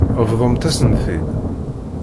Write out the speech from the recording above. Bḍumt-asen-t-id.